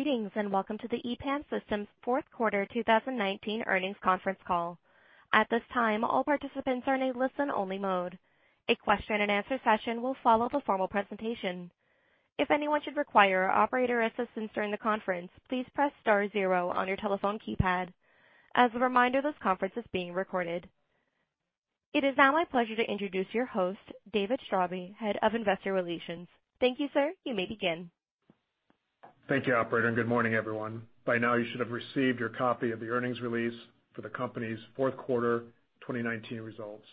Greetings, and welcome to the EPAM Systems' fourth quarter 2019 earnings conference call. At this time, all participants are in a listen-only mode. A question and answer session will follow the formal presentation. If anyone should require operator assistance during the conference, please press star zero on your telephone keypad. As a reminder, this conference is being recorded. It is now my pleasure to introduce your host, David Straube, Head of Investor Relations. Thank you, sir. You may begin. Thank you, operator, and good morning, everyone. By now, you should have received your copy of the earnings release for the company's fourth quarter 2019 results.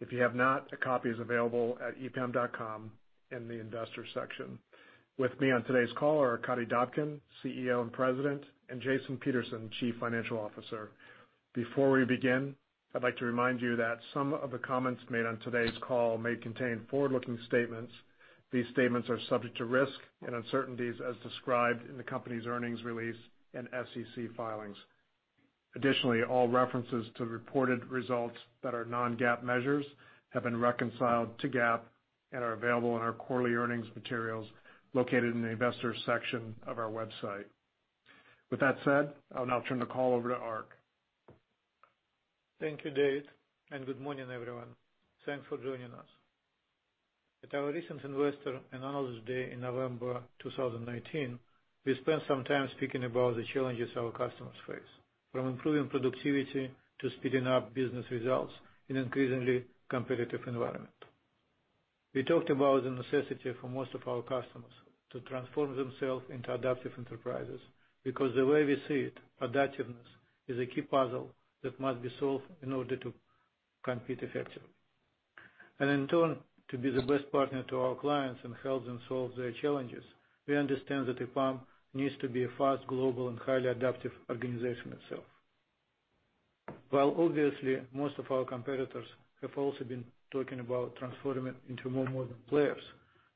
If you have not, a copy is available at epam.com in the investors section. With me on today's call are Arkadiy Dobkin, CEO and President, and Jason Peterson, Chief Financial Officer. Before we begin, I'd like to remind you that some of the comments made on today's call may contain forward-looking statements. These statements are subject to risk and uncertainties as described in the company's earnings release and SEC filings. All references to reported results that are non-GAAP measures have been reconciled to GAAP and are available in our quarterly earnings materials located in the investors section of our website. With that said, I'll now turn the call over to Ark. Thank you, Dave, and good morning, everyone. Thanks for joining us. At our recent investor analysis day in November 2019, we spent some time speaking about the challenges our customers face, from improving productivity to speeding up business results in an increasingly competitive environment. We talked about the necessity for most of our customers to transform themselves into adaptive enterprises, because the way we see it, adaptiveness is a key puzzle that must be solved in order to compete effectively. In turn, to be the best partner to our clients and help them solve their challenges, we understand that EPAM needs to be a fast, global, and highly adaptive organization itself. While obviously most of our competitors have also been talking about transforming into more modern players,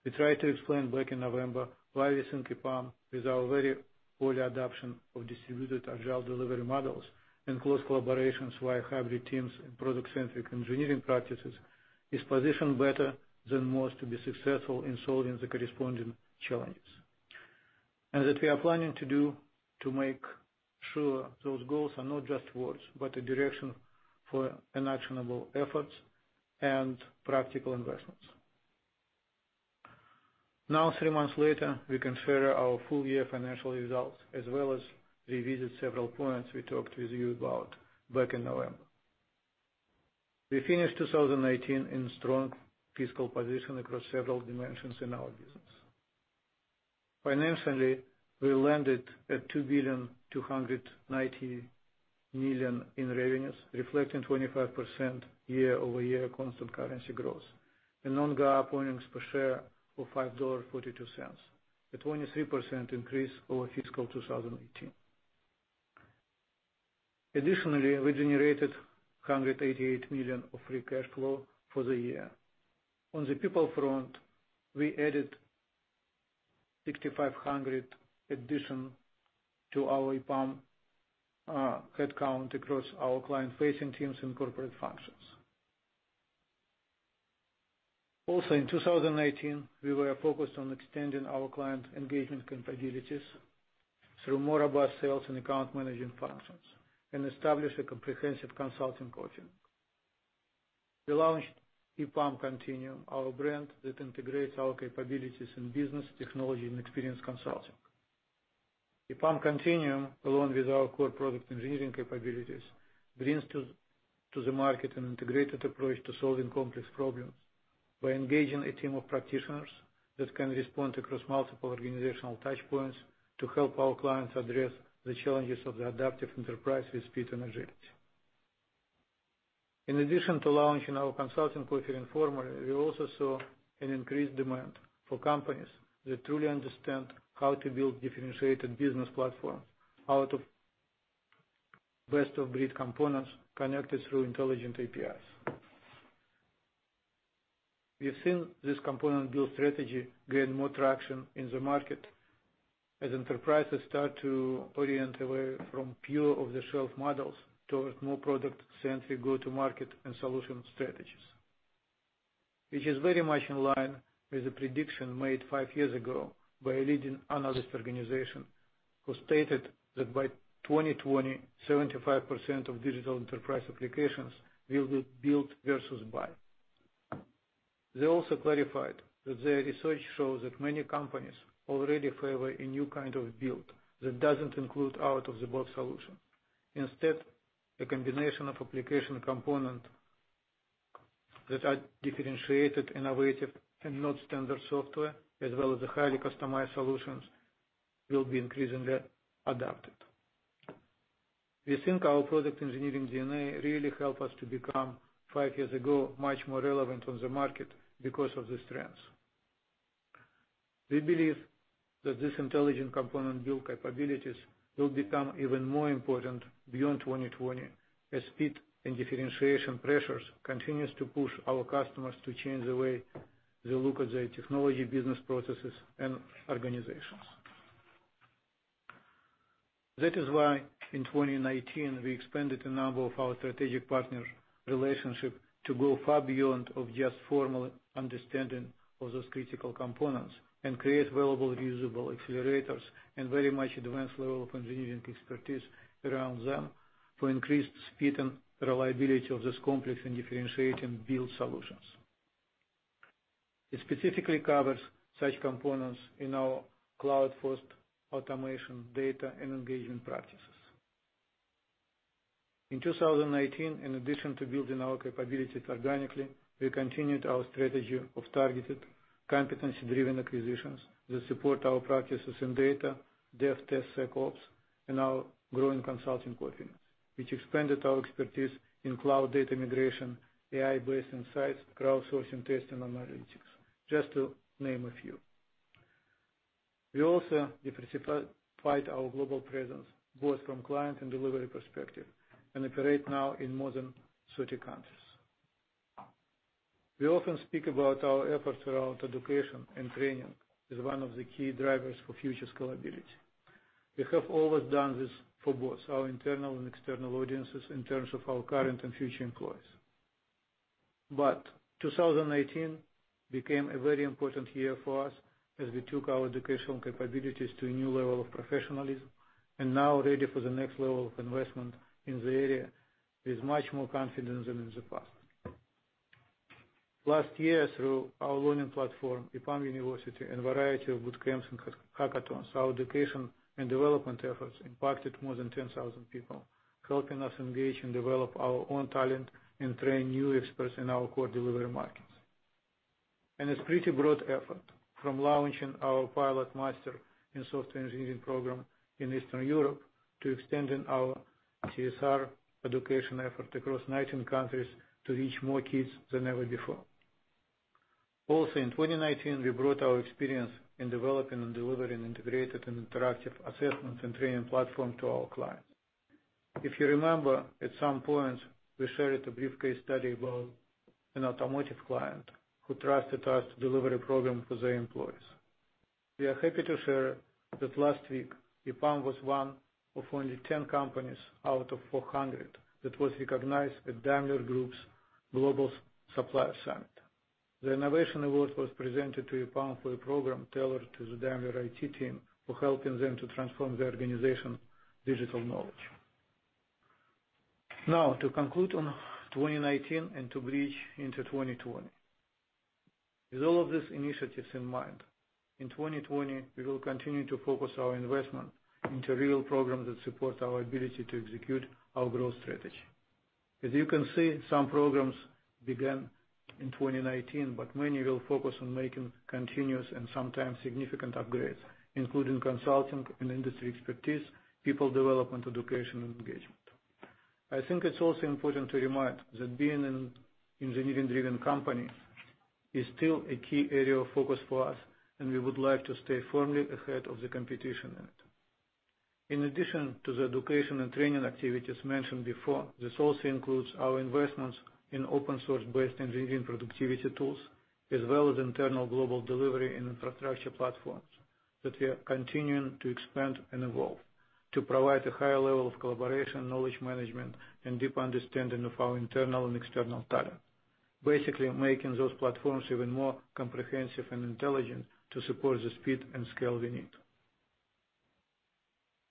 we tried to explain back in November why we think EPAM, with our very early adoption of distributed agile delivery models and close collaborations via hybrid teams and product-centric engineering practices, is positioned better than most to be successful in solving the corresponding challenges. That we are planning to do to make sure those goals are not just words, but a direction for an actionable effort and practical investments. Three months later, we consider our full-year financial results as well as revisit several points we talked with you about back in November. We finished 2019 in strong fiscal position across several dimensions in our business. Financially, we landed at $2 billion, $290 million in revenues, reflecting 25% year-over-year constant currency growth. The non-GAAP earnings per share of $5.42, a 23% increase over fiscal 2018. Additionally, we generated $188 million of free cash flow for the year. On the people front, we added 6,500 addition to our EPAM headcount across our client-facing teams and corporate functions. In 2019, we were focused on extending our client engagement capabilities through more robust sales and account managing functions and establish a comprehensive consulting offering. We launched EPAM Continuum, our brand that integrates our capabilities in business technology and experience consulting. EPAM Continuum, along with our core product engineering capabilities, brings to the market an integrated approach to solving complex problems by engaging a team of practitioners that can respond across multiple organizational touchpoints to help our clients address the challenges of the adaptive enterprise with speed and agility. In addition to launching our consulting portfolio formally, we also saw an increased demand for companies that truly understand how to build differentiated business platforms out of best-of-breed components connected through intelligent APIs. We have seen this component build strategy gain more traction in the market as enterprises start to orient away from pure off-the-shelf models towards more product-centric go-to-market and solution strategies. Which is very much in line with a prediction made five years ago by a leading analyst organization, who stated that by 2020, 75% of digital enterprise applications will be built versus buy. They also clarified that their research shows that many companies already favor a new kind of build that doesn't include out-of-the-box solution. Instead, a combination of application component that are differentiated, innovative, and not standard software, as well as the highly customized solutions will be increasingly adapted. We think our product engineering DNA really helped us to become, five years ago, much more relevant on the market because of the strengths. We believe that these intelligent component build capabilities will become even more important beyond 2020 as speed and differentiation pressures continues to push our customers to change the way they look at their technology business processes and organizations. That is why in 2019, we expanded a number of our strategic partner relationship to go far beyond of just formal understanding of those critical components and create available reusable accelerators and very much advanced level of engineering expertise around them for increased speed and reliability of this complex and differentiating build solutions. It specifically covers such components in our cloud-first automation data and engagement practices. In 2018, in addition to building our capabilities organically, we continued our strategy of targeted competency-driven acquisitions that support our practices in data, dev, test, SecOps, and our growing consulting footprint, which expanded our expertise in cloud data migration, AI-based insights, crowdsourcing test, and analytics, just to name a few. We also diversified our global presence, both from client and delivery perspective, and operate now in more than 30 countries. We often speak about our efforts around education and training as one of the key drivers for future scalability. We have always done this for both our internal and external audiences in terms of our current and future employees. 2018 became a very important year for us as we took our educational capabilities to a new level of professionalism and now ready for the next level of investment in the area with much more confidence than in the past. Last year, through our learning platform, EPAM University, and variety of bootcamps and hackathons, our education and development efforts impacted more than 10,000 people, helping us engage and develop our own talent and train new experts in our core delivery markets. It's pretty broad effort from launching our pilot master in software engineering program in Eastern Europe to extending our CSR education effort across 19 countries to reach more kids than ever before. Also, in 2019, we brought our experience in developing and delivering integrated and interactive assessments and training platform to our clients. If you remember, at some point, we shared a brief case study about an automotive client who trusted us to deliver a program for their employees. We are happy to share that last week, EPAM was one of only 10 companies out of 400 that was recognized at Daimler Group's Global Supplier Summit. The innovation award was presented to EPAM for a program tailored to the Daimler IT team for helping them to transform their organization digital knowledge. Now, to conclude on 2019 and to bridge into 2020. With all of these initiatives in mind, in 2020, we will continue to focus our investment into real programs that support our ability to execute our growth strategy. As you can see, some programs began in 2019, but many will focus on making continuous and sometimes significant upgrades, including consulting and industry expertise, people development, education, and engagement. I think it's also important to remind that being an engineering-driven company is still a key area of focus for us, and we would like to stay firmly ahead of the competition in it. In addition to the education and training activities mentioned before, this also includes our investments in open source-based engineering productivity tools, as well as internal global delivery infrastructure platforms that we are continuing to expand and evolve to provide a higher level of collaboration, knowledge management, and deeper understanding of our internal and external talent. Basically making those platforms even more comprehensive and intelligent to support the speed and scale we need.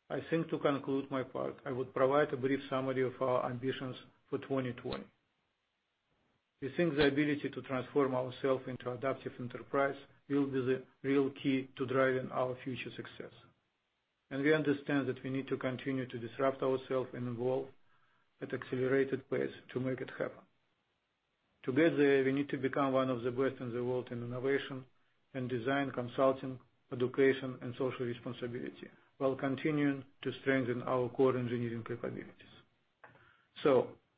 I think to conclude my part, I would provide a brief summary of our ambitions for 2020. We think the ability to transform ourself into adaptive enterprise will be the real key to driving our future success. We understand that we need to continue to disrupt ourself and evolve at accelerated pace to make it happen. Together, we need to become one of the best in the world in innovation and design consulting, education, and social responsibility, while continuing to strengthen our core engineering capabilities.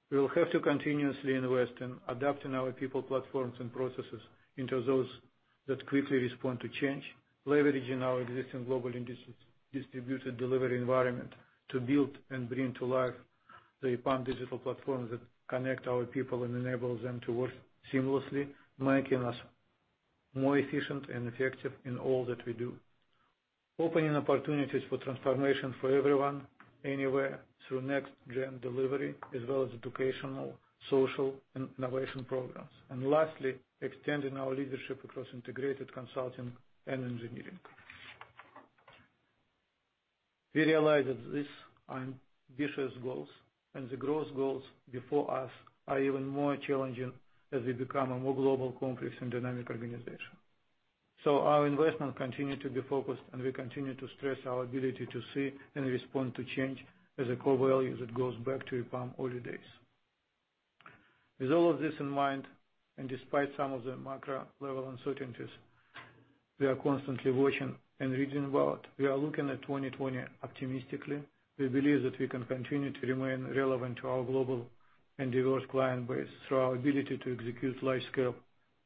We will have to continuously invest in adapting our people platforms and processes into those that quickly respond to change, leveraging our existing global industries distributed delivery environment to build and bring to life the EPAM digital platform that connect our people and enable them to work seamlessly, making us more efficient and effective in all that we do. Opening opportunities for transformation for everyone, anywhere through next-gen delivery, as well as educational, social, and innovation programs. Lastly, extending our leadership across integrated consulting and engineering. We realize that these are ambitious goals, and the growth goals before us are even more challenging as we become a more global, complex, and dynamic organization. Our investment continue to be focused, and we continue to stress our ability to see and respond to change as a core value that goes back to EPAM early days. With all of this in mind, and despite some of the macro-level uncertainties, we are constantly watching and reading about, we are looking at 2020 optimistically. We believe that we can continue to remain relevant to our global and diverse client base through our ability to execute large-scale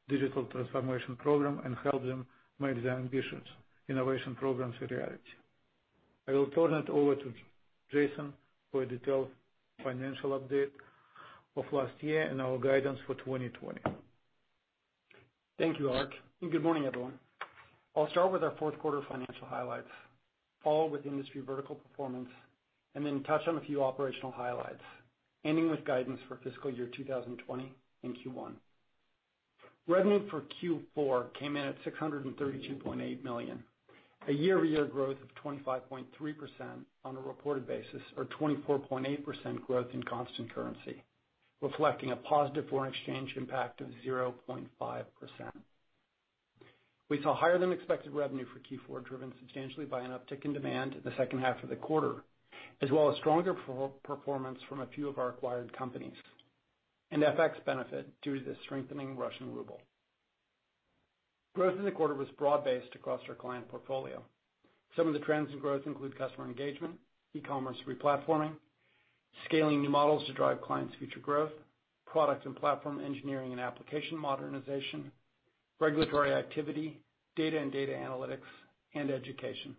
digital transformation program and help them make their ambitions innovation programs a reality. I will turn it over to Jason for a detailed financial update of last year and our guidance for 2020. Thank you, Ark, good morning, everyone. I'll start with our fourth quarter financial highlights, followed with industry vertical performance, and then touch on a few operational highlights, ending with guidance for fiscal year 2020 in Q1. Revenue for Q4 came in at $632.8 million, a year-over-year growth of 25.3% on a reported basis or 24.8% growth in constant currency, reflecting a positive foreign exchange impact of 0.5%. We saw higher than expected revenue for Q4, driven substantially by an uptick in demand in the second half of the quarter, as well as stronger performance from a few of our acquired companies, and FX benefit due to the strengthening Russian ruble. Growth in the quarter was broad-based across our client portfolio. Some of the trends in growth include customer engagement, e-commerce re-platforming, scaling new models to drive clients' future growth, product and platform engineering and application modernization, regulatory activity, data and data analytics, and education.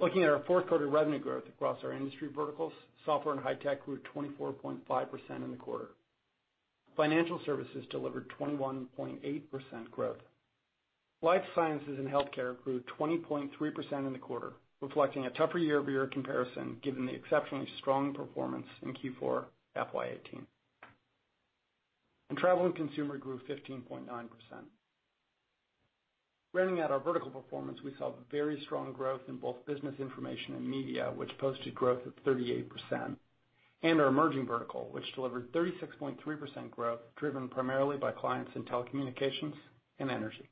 Looking at our fourth quarter revenue growth across our industry verticals, software and high tech grew 24.5% in the quarter. Financial services delivered 21.8% growth. Life sciences and healthcare grew 20.3% in the quarter, reflecting a tougher year-over-year comparison given the exceptionally strong performance in Q4 FY 2018. Travel and consumer grew 15.9%. Rounding out our vertical performance, we saw very strong growth in both business information and media, which posted growth of 38%, and our emerging vertical, which delivered 36.3% growth, driven primarily by clients in telecommunications and energy.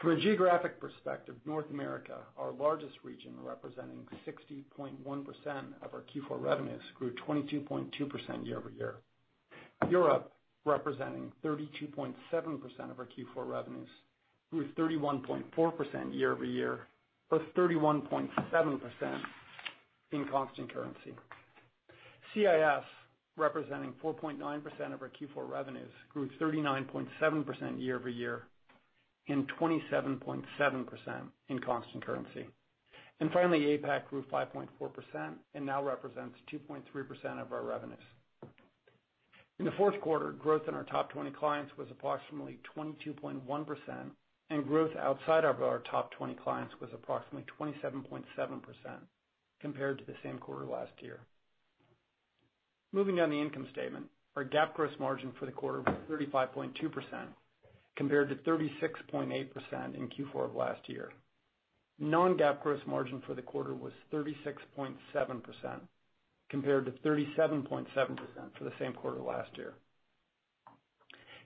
From a geographic perspective, North America, our largest region, representing 60.1% of our Q4 revenues, grew 22.2% year-over-year. Europe, representing 32.7% of our Q4 revenues, grew 31.4% year-over-year, plus 31.7% in constant currency. CIS, representing 4.9% of our Q4 revenues, grew 39.7% year-over-year and 27.7% in constant currency. Finally, APAC grew 5.4% and now represents 2.3% of our revenues. In the fourth quarter, growth in our top 20 clients was approximately 22.1%, and growth outside of our top 20 clients was approximately 27.7% compared to the same quarter last year. Moving down the income statement, our GAAP gross margin for the quarter was 35.2% compared to 36.8% in Q4 of last year. Non-GAAP gross margin for the quarter was 36.7% compared to 37.7% for the same quarter last year.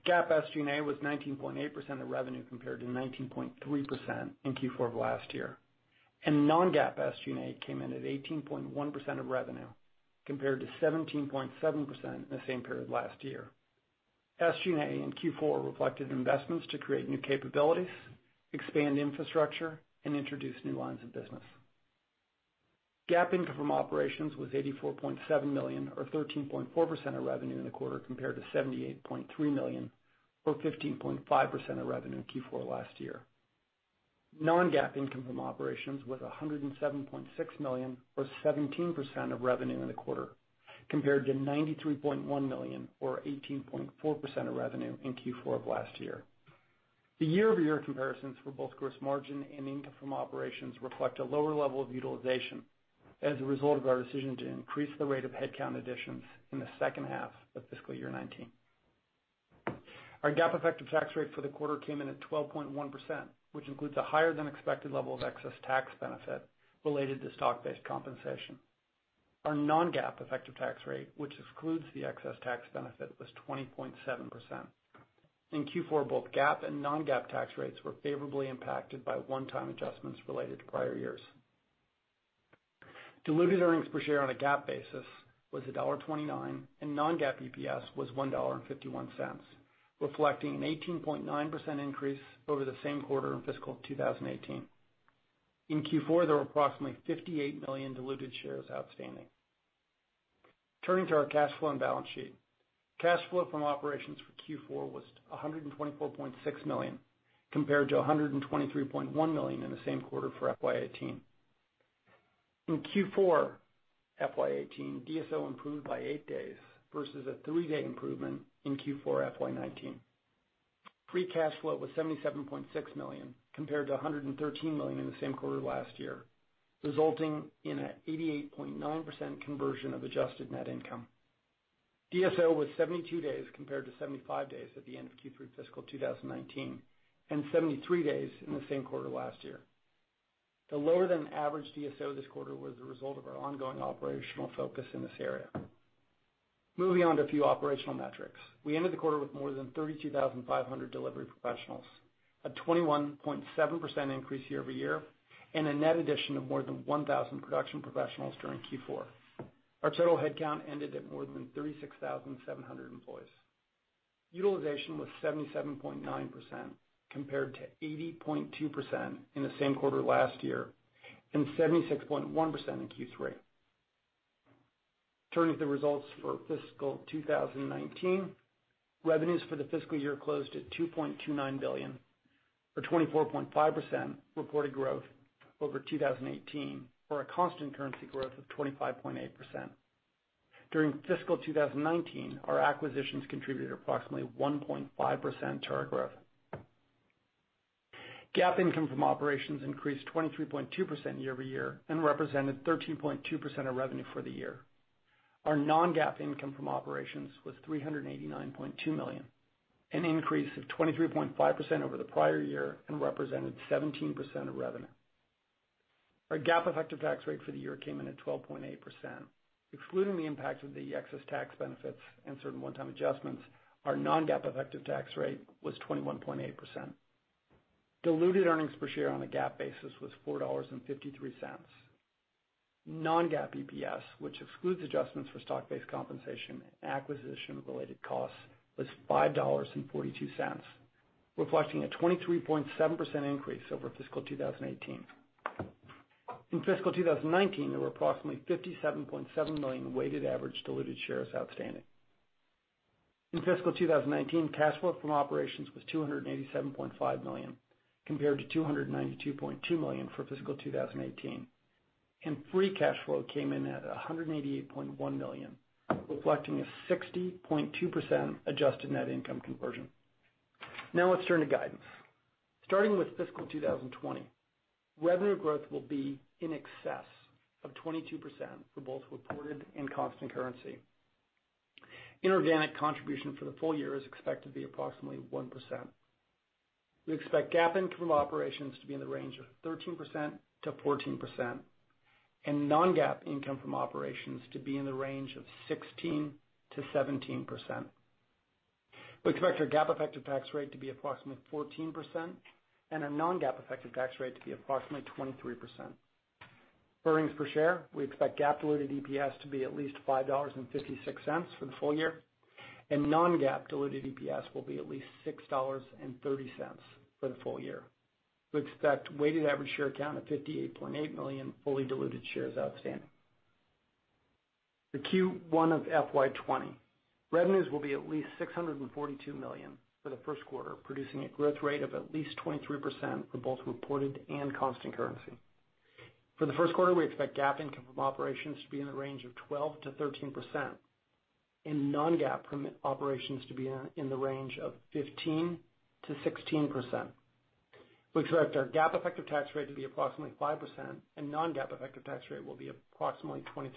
GAAP SG&A was 19.8% of revenue compared to 19.3% in Q4 of last year. Non-GAAP SG&A came in at 18.1% of revenue compared to 17.7% in the same period last year. SG&A in Q4 reflected investments to create new capabilities, expand infrastructure, and introduce new lines of business. GAAP income from operations was $84.7 million, or 13.4% of revenue in the quarter, compared to $78.3 million, or 15.5% of revenue in Q4 last year. Non-GAAP income from operations was $107.6 million or 17% of revenue in the quarter, compared to $93.1 million or 18.4% of revenue in Q4 of last year. The year-over-year comparisons for both gross margin and income from operations reflect a lower level of utilization as a result of our decision to increase the rate of headcount additions in the second half of fiscal year 2019. Our GAAP effective tax rate for the quarter came in at 12.1%, which includes a higher than expected level of excess tax benefit related to stock-based compensation. Our non-GAAP effective tax rate, which excludes the excess tax benefit, was 20.7%. In Q4, both GAAP and non-GAAP tax rates were favorably impacted by one-time adjustments related to prior years. Diluted earnings per share on a GAAP basis was $1.29, and non-GAAP EPS was $1.51, reflecting an 18.9% increase over the same quarter in fiscal 2018. In Q4, there were approximately 58 million diluted shares outstanding. Turning to our cash flow and balance sheet. Cash flow from operations for Q4 was $124.6 million, compared to $123.1 million in the same quarter for FY 2018. In Q4 FY 2018, DSO improved by eight days versus a three-day improvement in Q4 FY 2019. Free cash flow was $77.6 million, compared to $113 million in the same quarter last year, resulting in an 88.9% conversion of adjusted net income. DSO was 72 days compared to 75 days at the end of Q3 fiscal 2019 and 73 days in the same quarter last year. The lower than average DSO this quarter was the result of our ongoing operational focus in this area. Moving on to a few operational metrics. We ended the quarter with more than 32,500 delivery professionals, a 21.7% increase year-over-year, and a net addition of more than 1,000 production professionals during Q4. Our total headcount ended at more than 36,700 employees. Utilization was 77.9% compared to 80.2% in the same quarter last year and 76.1% in Q3. Turning to the results for fiscal 2019, revenues for the fiscal year closed at $2.29 billion, or 24.5% reported growth over 2018, for a constant currency growth of 25.8%. During fiscal 2019, our acquisitions contributed approximately 1.5% to our growth. GAAP income from operations increased 23.2% year-over-year and represented 13.2% of revenue for the year. Our non-GAAP income from operations was $389.2 million, an increase of 23.5% over the prior year and represented 17% of revenue. Our GAAP effective tax rate for the year came in at 12.8%, excluding the impact of the excess tax benefits and certain one-time adjustments, our non-GAAP effective tax rate was 21.8%. Diluted earnings per share on a GAAP basis was $4.53. Non-GAAP EPS, which excludes adjustments for stock-based compensation and acquisition related costs, was $5.42, reflecting a 23.7% increase over fiscal 2018. In fiscal 2019, there were approximately 57.7 million weighted average diluted shares outstanding. In fiscal 2019, cash flow from operations was $287.5 million, compared to $292.2 million for fiscal 2018. Free cash flow came in at $188.1 million, reflecting a 60.2% adjusted net income conversion. Now let's turn to guidance. Starting with fiscal 2020, revenue growth will be in excess of 22% for both reported and constant currency. Inorganic contribution for the full year is expected to be approximately 1%. We expect GAAP income from operations to be in the range of 13%-14% and non-GAAP income from operations to be in the range of 16%-17%. We expect our GAAP effective tax rate to be approximately 14% and our non-GAAP effective tax rate to be approximately 23%. For earnings per share, we expect GAAP diluted EPS to be at least $5.56 for the full year, and non-GAAP diluted EPS will be at least $6.30 for the full year. We expect weighted average share count of 58.8 million fully diluted shares outstanding. For Q1 of FY 2020, revenues will be at least $642 million for the first quarter, producing a growth rate of at least 23% for both reported and constant currency. For the first quarter, we expect GAAP income from operations to be in the range of 12%-13% and non-GAAP from operations to be in the range of 15%-16%. We expect our GAAP effective tax rate to be approximately 5%, and non-GAAP effective tax rate will be approximately 23%.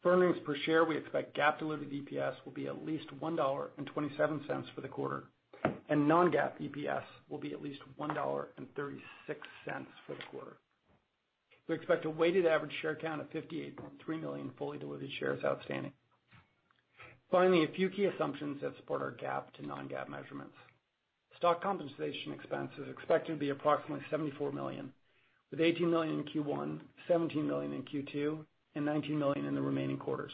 For earnings per share, we expect GAAP diluted EPS will be at least $1.27 for the quarter, and non-GAAP EPS will be at least $1.36 for the quarter. We expect a weighted average share count of 58.3 million fully diluted shares outstanding. Finally, a few key assumptions that support our GAAP to non-GAAP measurements. Stock compensation expense is expected to be approximately $74 million, with $18 million in Q1, $17 million in Q2, and $19 million in the remaining quarters.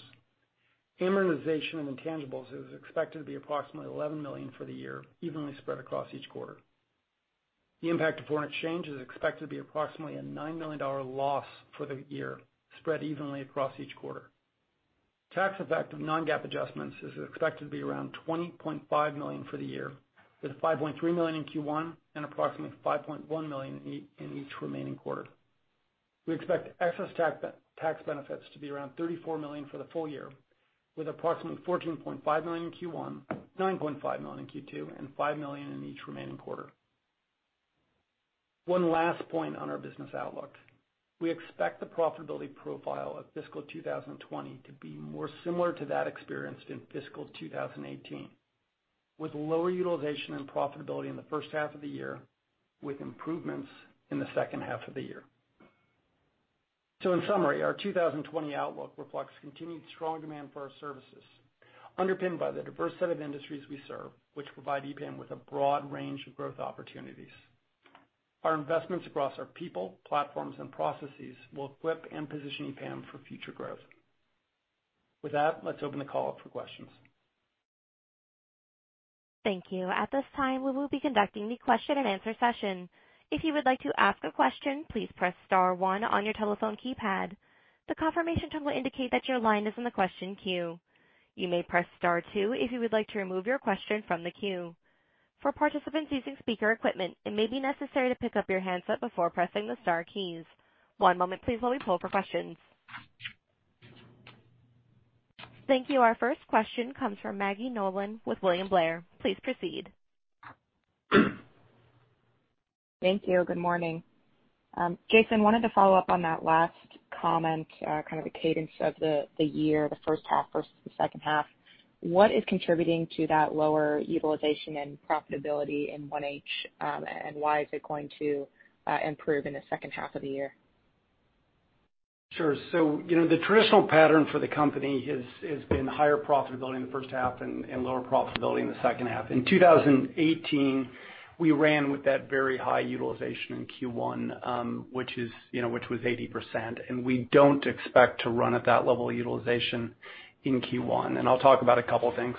Amortization of intangibles is expected to be approximately $11 million for the year, evenly spread across each quarter. The impact of foreign exchange is expected to be approximately a $9 million loss for the year, spread evenly across each quarter. Tax effect of non-GAAP adjustments is expected to be around $20.5 million for the year, with $5.3 million in Q1 and approximately $5.1 million in each remaining quarter. We expect excess tax benefits to be around $34 million for the full year, with approximately $14.5 million in Q1, $9.5 million in Q2, and $5 million in each remaining quarter. One last point on our business outlook. We expect the profitability profile of fiscal 2020 to be more similar to that experienced in fiscal 2018, with lower utilization and profitability in the first half of the year, with improvements in the second half of the year. In summary, our 2020 outlook reflects continued strong demand for our services, underpinned by the diverse set of industries we serve, which provide EPAM with a broad range of growth opportunities. Our investments across our people, platforms, and processes will equip and position EPAM for future growth. With that, let's open the call up for questions. Thank you. At this time, we will be conducting the question and answer session. If you would like to ask a question, please press *1 on your telephone keypad. The confirmation tone will indicate that your line is in the question queue. You may press *2 if you would like to remove your question from the queue. For participants using speaker equipment, it may be necessary to pick up your handset before pressing the star keys. One moment please while we pull for questions. Thank you. Our first question comes from Maggie Nolan with William Blair. Please proceed. Thank you. Good morning. Jason, I wanted to follow up on that last comment, kind of the cadence of the year, the first half versus the second half. What is contributing to that lower utilization and profitability in 1H? Why is it going to improve in the second half of the year? Sure. The traditional pattern for the company has been higher profitability in the first half and lower profitability in the second half. In 2018, we ran with that very high utilization in Q1, which was 80%, and we don't expect to run at that level of utilization in Q1. I'll talk about a couple of things.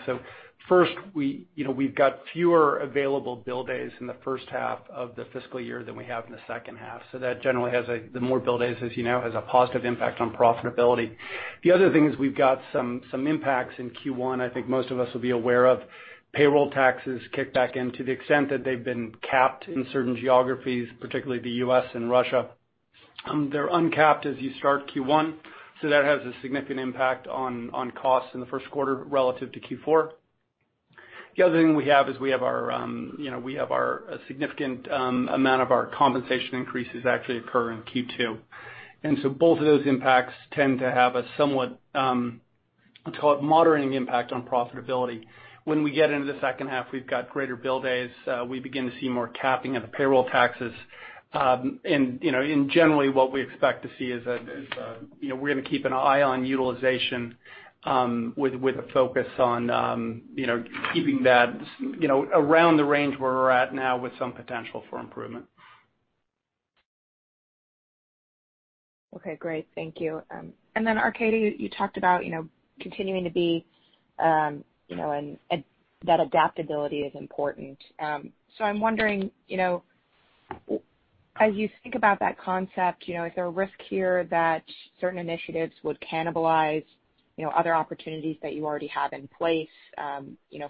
First, we've got fewer available bill days in the first half of the fiscal year than we have in the second half. The more bill days, as you know, has a positive impact on profitability. The other thing is we've got some impacts in Q1. I think most of us will be aware of payroll taxes kick back in to the extent that they've been capped in certain geographies, particularly the U.S. and Russia. They're uncapped as you start Q1, so that has a significant impact on costs in the first quarter relative to Q4. The other thing we have is a significant amount of our compensation increases actually occur in Q2. Both of those impacts tend to have a somewhat moderating impact on profitability. When we get into the second half, we've got greater bill days, we begin to see more capping of the payroll taxes. Generally what we expect to see is, we're going to keep an eye on utilization, with a focus on keeping that around the range where we're at now with some potential for improvement. Okay, great. Thank you. Arkadiy, you talked about that adaptability is important. I'm wondering, as you think about that concept, is there a risk here that certain initiatives would cannibalize other opportunities that you already have in place?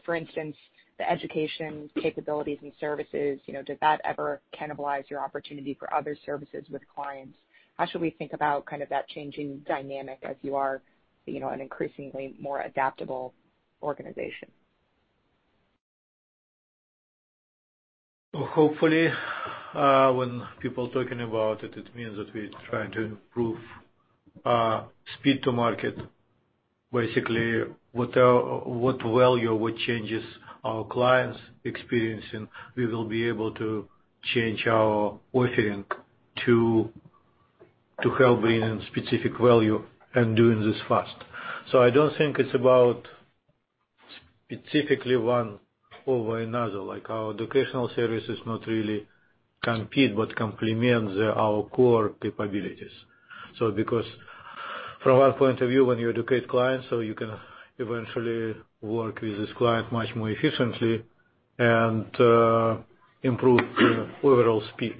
For instance, the education capabilities and services, did that ever cannibalize your opportunity for other services with clients? How should we think about that changing dynamic as you are an increasingly more adaptable organization? Well, hopefully, when people are talking about it means that we're trying to improve speed to market. Basically, what value, what changes our clients experiencing, we will be able to change our offering to help in a specific value and doing this fast. I don't think it's about specifically one over another, like our educational service is not really compete but complements our core capabilities. because from our point of view, when you educate clients so you can eventually work with this client much more efficiently and improve overall speed.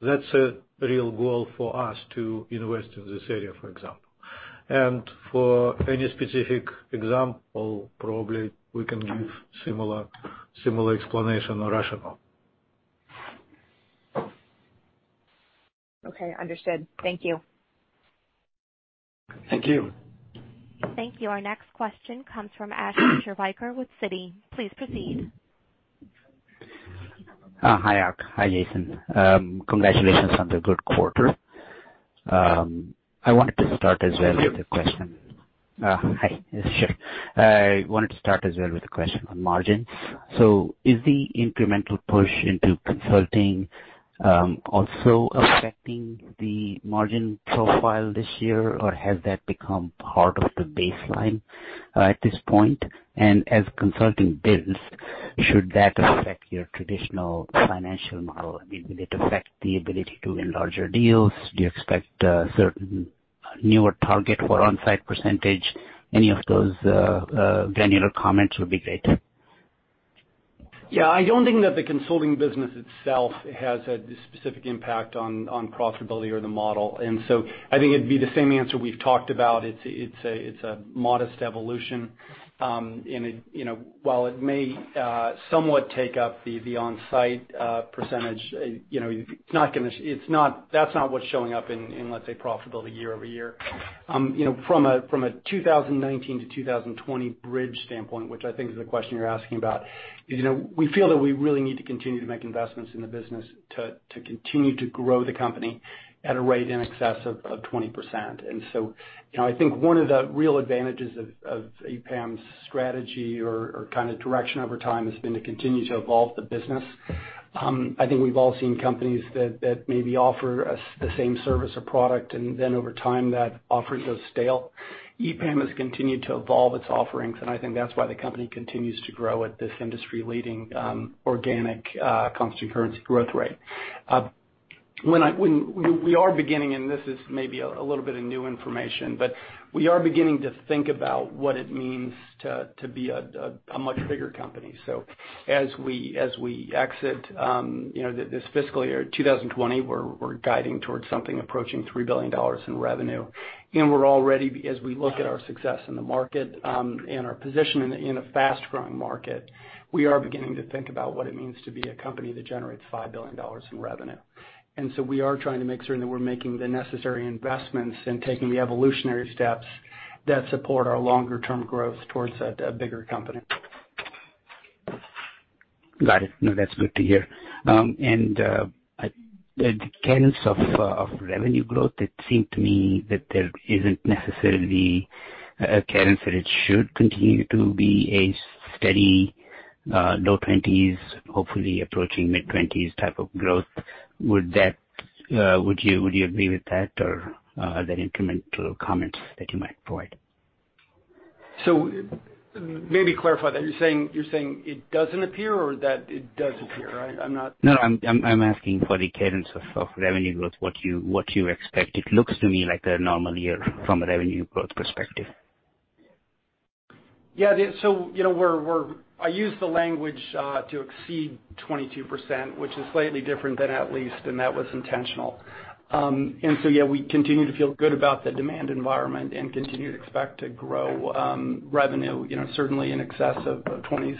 That's a real goal for us to invest in this area, for example. For any specific example, probably we can give similar explanation or rationale. Okay, understood. Thank you. Thank you. Thank you. Our next question comes from Ashwin Shirvaikar with Citi. Please proceed. Hi, Ark. Hi, Jason. Congratulations on the good quarter. I wanted to start as well with a question. Thank you. Hi. Sure. I wanted to start as well with a question on margins. Is the incremental push into consulting also affecting the margin profile this year, or has that become part of the baseline at this point? As consulting builds, should that affect your traditional financial model? I mean, will it affect the ability to win larger deals? Do you expect a certain newer target for onsite percentage? Any of those granular comments would be great. Yeah, I don't think that the consulting business itself has had a specific impact on profitability or the model. I think it'd be the same answer we've talked about. It's a modest evolution. While it may somewhat take up the onsite percentage, that's not what's showing up in, let's say, profitability year-over-year. From a 2019 to 2020 bridge standpoint, which I think is the question you're asking about, we feel that we really need to continue to make investments in the business to continue to grow the company at a rate in excess of 20%. I think one of the real advantages of EPAM's strategy or kind of direction over time has been to continue to evolve the business. I think we've all seen companies that maybe offer the same service or product and then over time that offering goes stale. EPAM has continued to evolve its offerings, and I think that's why the company continues to grow at this industry-leading organic constant currency growth rate. We are beginning, and this is maybe a little bit of new information, but we are beginning to think about what it means to be a much bigger company. As we exit this fiscal year 2020, we're guiding towards something approaching $3 billion in revenue. We're already, as we look at our success in the market, and our position in a fast-growing market, we are beginning to think about what it means to be a company that generates $5 billion in revenue. We are trying to make certain that we're making the necessary investments and taking the evolutionary steps that support our longer-term growth towards a bigger company. Got it. No, that's good to hear. The cadence of revenue growth, it seemed to me that there isn't necessarily a cadence that it should continue to be a steady low 20s, hopefully approaching mid-20s type of growth. Would you agree with that, or are there incremental comments that you might provide? Maybe clarify that. You're saying it doesn't appear or that it does appear? I'm not. I'm asking for the cadence of revenue growth, what you expect. It looks to me like a normal year from a revenue growth perspective. Yeah. I use the language, to exceed 22%, which is slightly different than at least, and that was intentional. Yeah, we continue to feel good about the demand environment and continue to expect to grow revenue certainly in excess of 20s.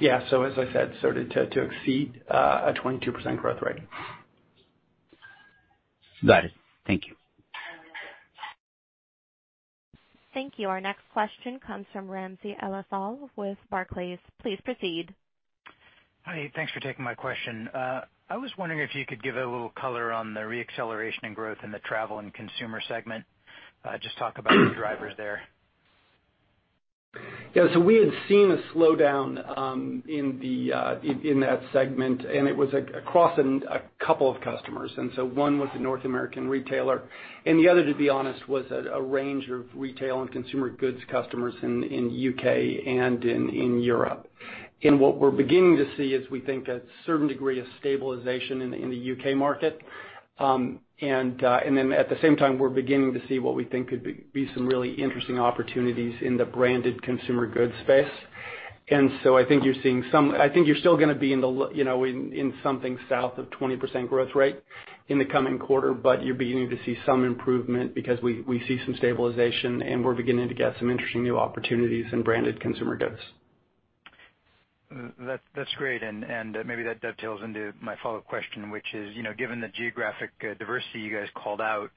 Yeah. As I said, started to exceed a 22% growth rate. Got it. Thank you. Thank you. Our next question comes from Ramsey El-Assal with Barclays. Please proceed. Hi. Thanks for taking my question. I was wondering if you could give a little color on the re-acceleration in growth in the travel and consumer segment. Just talk about the drivers there. Yeah. We had seen a slowdown in that segment, and it was across a couple of customers. One was the North American retailer, and the other, to be honest, was a range of retail and consumer goods customers in U.K. and in Europe. What we're beginning to see is, we think, a certain degree of stabilization in the U.K. market. Then at the same time, we're beginning to see what we think could be some really interesting opportunities in the branded consumer goods space. I think you're still going to be in something south of 20% growth rate in the coming quarter, but you're beginning to see some improvement because we see some stabilization, and we're beginning to get some interesting new opportunities in branded consumer goods. That's great. That dovetails into my follow-up question, which is, given the geographic diversity you guys called out,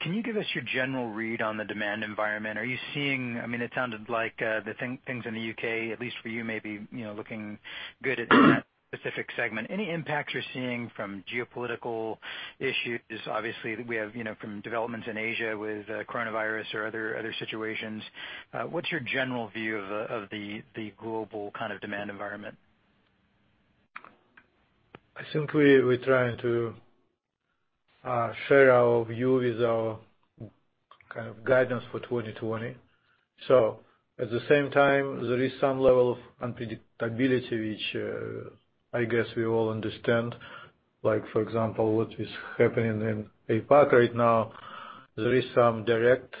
can you give us your general read on the demand environment? It sounded like the things in the U.K., at least for you, may be looking good at that specific segment. Any impacts you're seeing from geopolitical issues? Obviously, we have from developments in Asia with coronavirus or other situations. What's your general view of the global demand environment? I think we're trying to share our view with our guidance for 2020. At the same time, there is some level of unpredictability, which I guess we all understand. Like for example, what is happening in APAC right now, there is some direct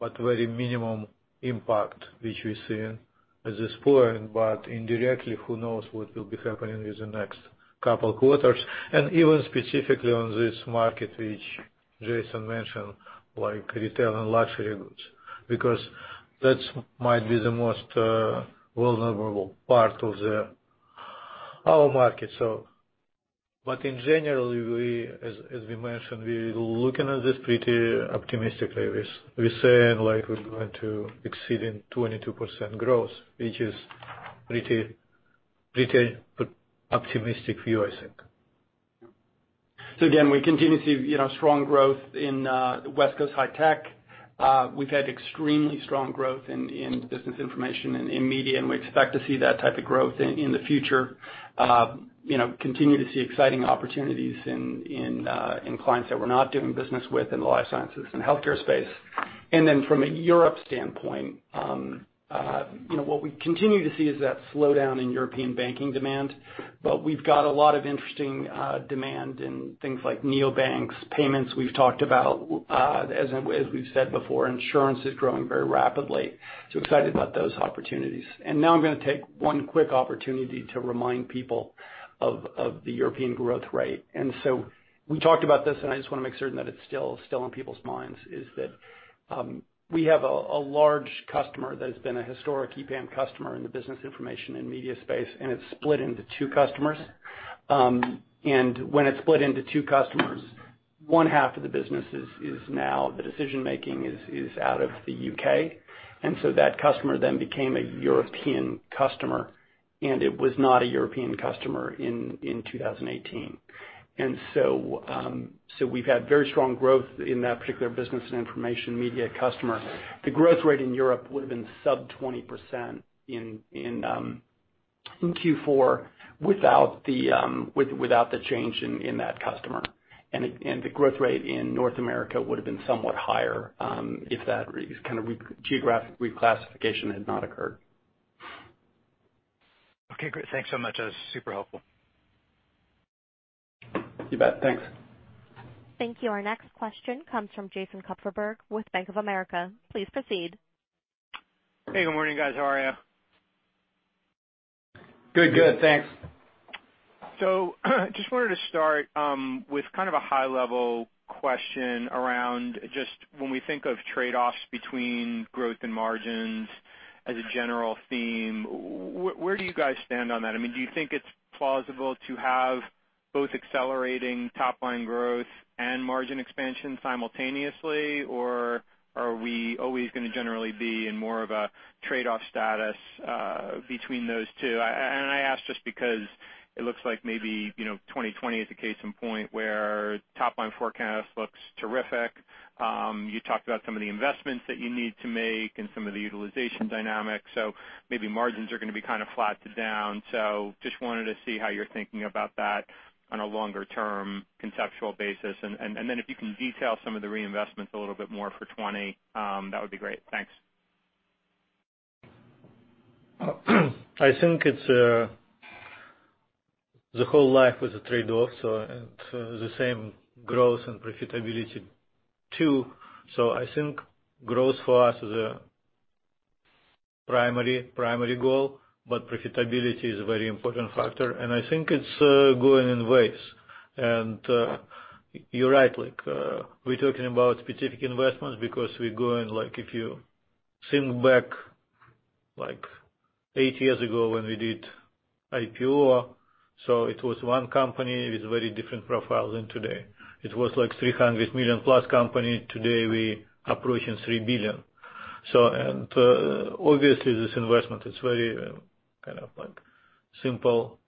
but very minimum impact, which we're seeing at this point. Indirectly, who knows what will be happening with the next couple quarters, and even specifically on this market, which Jason mentioned, like retail and luxury goods, because that might be the most vulnerable part of our market. In general, as we mentioned, we're looking at this pretty optimistically. We're saying we're going to exceed in 22% growth, which is pretty optimistic view, I think. Again, we continue to see strong growth in West Coast high tech. We've had extremely strong growth in business information and in media, and we expect to see that type of growth in the future. Continue to see exciting opportunities in clients that we're not doing business with in the life sciences and healthcare space. From a Europe standpoint, what we continue to see is that slowdown in European banking demand. We've got a lot of interesting demand in things like neobanks, payments we've talked about. As we've said before, insurance is growing very rapidly. Excited about those opportunities. I'm going to take one quick opportunity to remind people of the European growth rate. We talked about this, and I just want to make certain that it's still in people's minds, is that we have a large customer that has been a historic EPAM customer in the business information and media space, and it's split into two customers. When it's split into two customers, one half of the business is now the decision-making is out of the U.K. That customer then became a European customer, it was not a European customer in 2018. We've had very strong growth in that particular business and information media customer. The growth rate in Europe would've been sub 20% in Q4 without the change in that customer. The growth rate in North America would've been somewhat higher, if that kind of geographic reclassification had not occurred. Okay, great. Thanks so much. That was super helpful. You bet. Thanks. Thank you. Our next question comes from Jason Kupferberg with Bank of America. Please proceed. Hey, good morning, guys. How are you? Good, good, thanks. Just wanted to start with kind of a high-level question around just when we think of trade-offs between growth and margins as a general theme, where do you guys stand on that? Do you think it's plausible to have both accelerating top-line growth and margin expansion simultaneously, or are we always going to generally be in more of a trade-off status between those two? I ask just because it looks like maybe 2020 is a case in point where top-line forecast looks terrific. You talked about some of the investments that you need to make and some of the utilization dynamics. Maybe margins are going to be kind of flat to down. Just wanted to see how you're thinking about that on a longer-term conceptual basis. If you can detail some of the reinvestments a little bit more for 2020, that would be great. Thanks. I think it's the whole life is a trade-off, so the same growth and profitability too. I think growth for us is a primary goal, but profitability is a very important factor, and I think it's going in waves. You're right. We're talking about specific investments because if you think back eight years ago when we did IPO, so it was one company with very different profile than today. It was like $300 million-plus company. Today, we approaching $3 billion. Obviously, this investment is very simple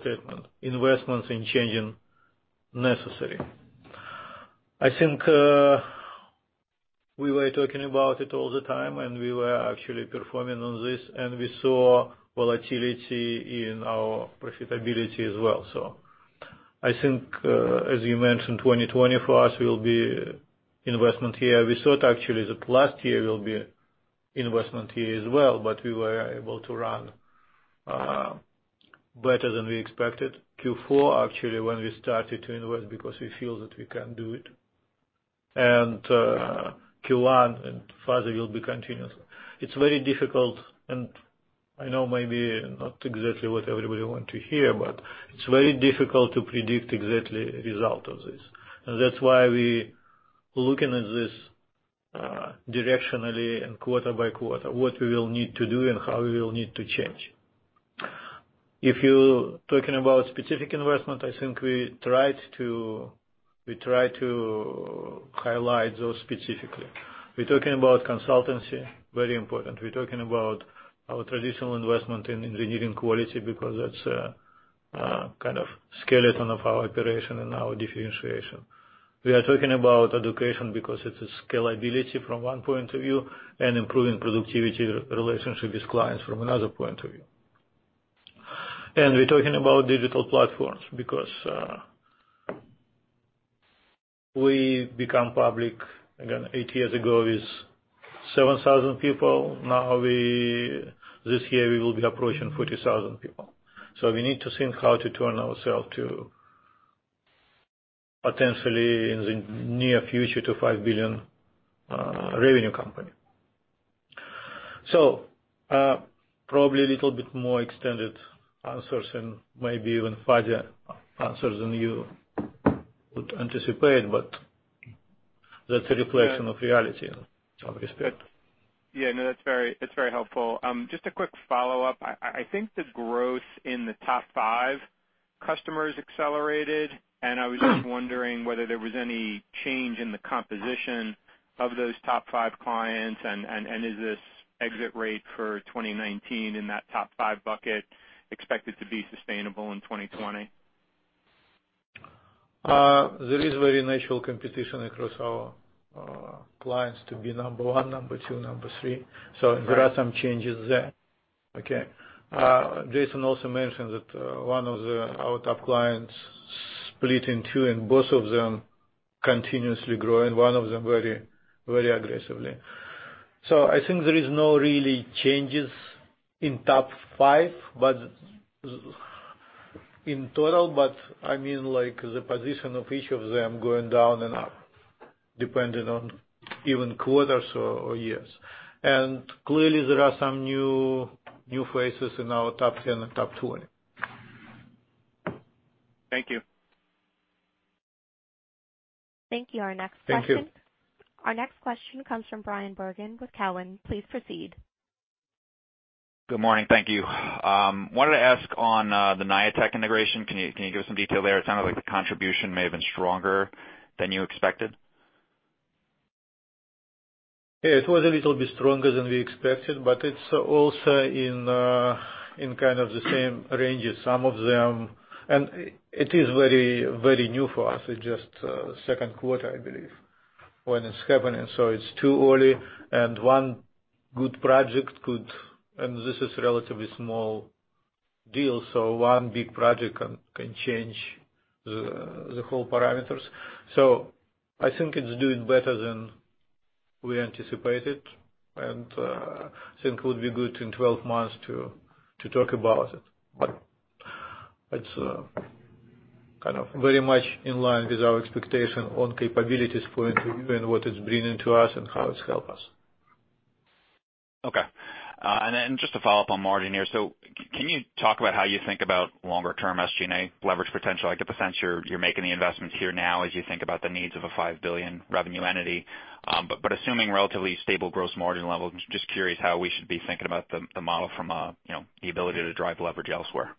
statement. Investments in changing necessary. I think we were talking about it all the time, and we were actually performing on this, and we saw volatility in our profitability as well. I think, as you mentioned, 2020 for us will be investment year. We thought actually that last year will be investment year as well, but we were able to run better than we expected. Q4, actually, when we started to invest because we feel that we can do it, and Q1 and further will be continuous. It's very difficult, and I know maybe not exactly what everybody want to hear, but it's very difficult to predict exactly result of this. That's why we looking at this directionally and quarter by quarter, what we will need to do and how we will need to change. If you're talking about specific investment, I think we try to highlight those specifically. We're talking about consultancy, very important. We're talking about our traditional investment in engineering quality because that's a skeleton of our operation and our differentiation. We are talking about education because it is scalability from one point of view, improving productivity relationship with clients from another point of view. We're talking about digital platforms because we become public, again, eight years ago with 7,000 people. Now this year, we will be approaching 40,000 people. We need to think how to turn ourself to potentially in the near future to a $5 billion revenue company. Probably a little bit more extended answers and maybe even fuzzier answers than you would anticipate, but that's a reflection of reality in some respect. Yeah, no, that's very helpful. Just a quick follow-up. I think the growth in the top 5 customers accelerated, and I was just wondering whether there was any change in the composition of those top 5 clients, and is this exit rate for 2019 in that top 5 bucket expected to be sustainable in 2020? There is very natural competition across our clients to be number one, number two, number three. There are some changes there. Okay. Jason also mentioned that one of our top clients split in two, and both of them continuously growing, one of them very aggressively. I think there is no really changes in top five in total, but the position of each of them going down and up depending on even quarters or years. Clearly, there are some new faces in our top 10 and top 20. Thank you. Thank you. Our next question. Thank you. Our next question comes from Bryan Bergin with Cowen. Please proceed. Good morning. Thank you. Wanted to ask on the NAYA Tech integration, can you give us some detail there? It sounded like the contribution may have been stronger than you expected. Yeah. It was a little bit stronger than we expected, but it's also in the same range as some of them. It is very new for us. It's just second quarter, I believe, when it's happening, so it's too early. This is relatively small deal, so one big project can change the whole parameters. I think it's doing better than we anticipated, and I think it would be good in 12 months to talk about it. It's very much in line with our expectation on capabilities point of view and what it's bringing to us and how it's helped us. Okay. Just to follow up on margin here, can you talk about how you think about longer-term SG&A leverage potential? I get the sense you're making the investments here now as you think about the needs of a $5 billion revenue entity. Assuming relatively stable gross margin levels, I'm just curious how we should be thinking about the model from the ability to drive leverage elsewhere.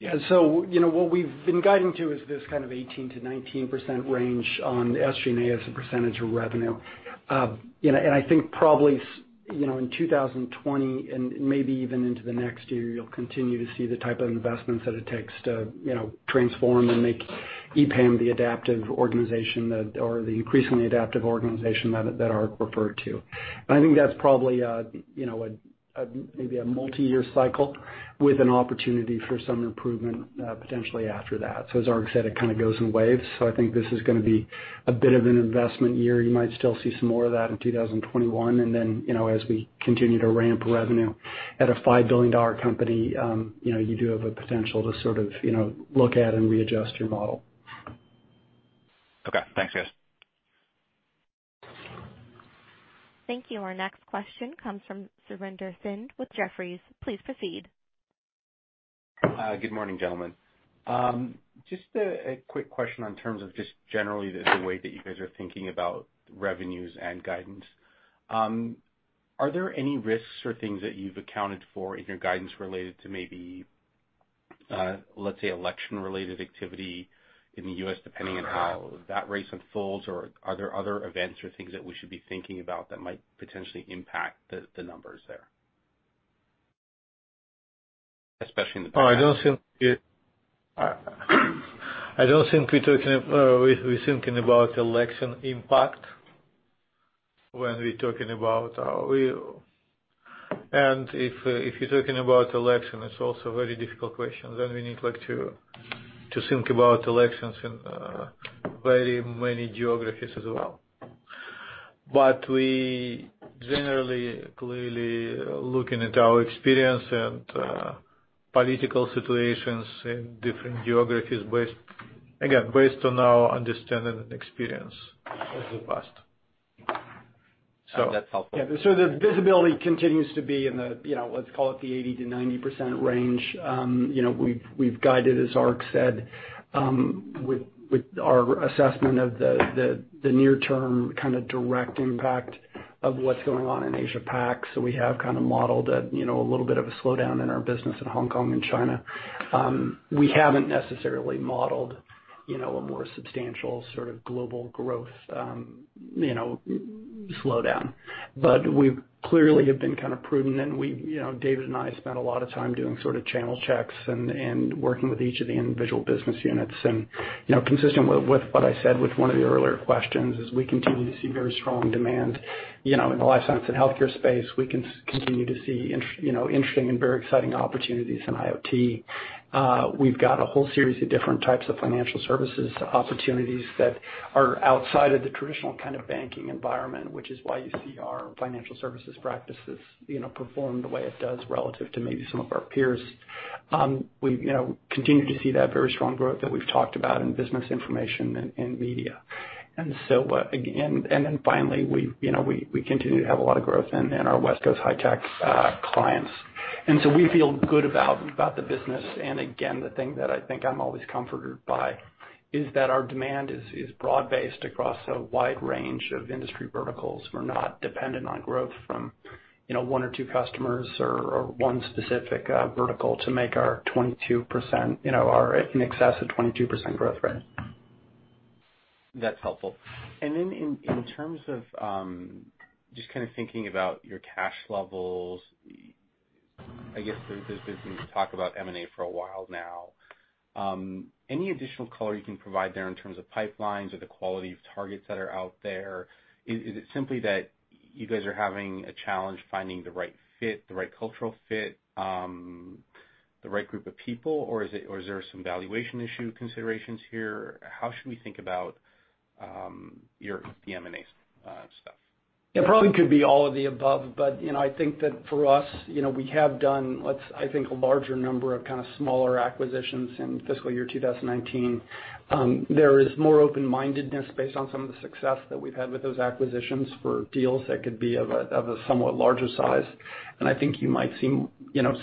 What we've been guiding to is this kind of 18%-19% range on SG&A as a percentage of revenue. I think probably in 2020 and maybe even into the next year, you'll continue to see the type of investments that it takes to transform and make EPAM the adaptive organization, or the increasingly adaptive organization that Ark referred to. I think that's probably maybe a multi-year cycle with an opportunity for some improvement potentially after that. As Ark said, it kind of goes in waves. I think this is gonna be a bit of an investment year. You might still see some more of that in 2021. As we continue to ramp revenue at a $5 billion company, you do have a potential to look at and readjust your model. Okay. Thanks, guys. Thank you. Our next question comes from Surinder Thind with Jefferies. Please proceed. Good morning, gentlemen. Just a quick question on terms of just generally the way that you guys are thinking about revenues and guidance. Are there any risks or things that you've accounted for in your guidance related to maybe, let's say, election-related activity in the U.S., depending on how that race unfolds? Are there other events or things that we should be thinking about that might potentially impact the numbers there, especially in the back half? I don't think we're thinking about election impact when we're talking about our view. If you're talking about election, it's also a very difficult question. We need like to think about elections in very many geographies as well. We generally clearly looking at our experience and political situations in different geographies, again, based on our understanding and experience of the past. That's helpful. The visibility continues to be in the, let's call it, the 80%-90% range. We've guided, as Ark said, with our assessment of the near-term kind of direct impact of what's going on in Asia Pac. We have kind of modeled a little bit of a slowdown in our business in Hong Kong and China. We haven't necessarily modeled a more substantial sort of global growth slowdown. We clearly have been kind of prudent and David and I spent a lot of time doing sort of channel checks and working with each of the individual business units. Consistent with what I said with one of the earlier questions is we continue to see very strong demand in the life science and healthcare space. We continue to see interesting and very exciting opportunities in IoT. We've got a whole series of different types of financial services opportunities that are outside of the traditional kind of banking environment, which is why you see our financial services practices perform the way it does relative to maybe some of our peers. We continue to see that very strong growth that we've talked about in business information and media. Finally, we continue to have a lot of growth in our West Coast high-tech clients. We feel good about the business. Again, the thing that I think I'm always comforted by is that our demand is broad-based across a wide range of industry verticals. We're not dependent on growth from one or two customers or one specific vertical to make our in excess of 22% growth rate. That's helpful. In terms of just kind of thinking about your cash levels, I guess there's been talk about M&A for a while now. Any additional color you can provide there in terms of pipelines or the quality of targets that are out there? Is it simply that you guys are having a challenge finding the right fit, the right cultural fit, the right group of people, or is there some valuation issue considerations here? How should we think about the M&A stuff? It probably could be all of the above, but I think that for us, we have done, I think, a larger number of kind of smaller acquisitions in fiscal year 2019. There is more open-mindedness based on some of the success that we've had with those acquisitions for deals that could be of a somewhat larger size. I think you might see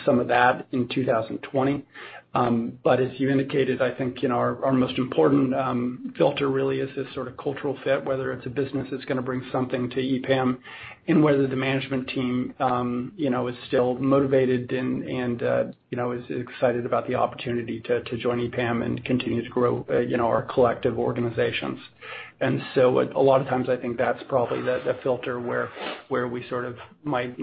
some of that in 2020. As you indicated, I think our most important filter really is this sort of cultural fit, whether it's a business that's going to bring something to EPAM and whether the management team is still motivated and is excited about the opportunity to join EPAM and continue to grow our collective organizations. A lot of times, I think that's probably the filter where we sort of might